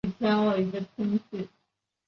地形轮廓呈南尖北宽之形状。